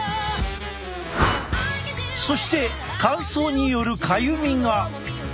そして乾燥によるかゆみが。